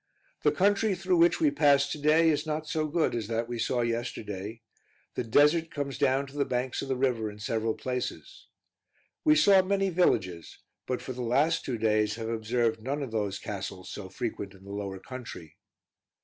The country through which we passed to day is not so good as that we saw yesterday; the desert comes down to the banks of the river in several places. We saw many villages, but for the last two days have observed none of those castles so frequent in the lower country.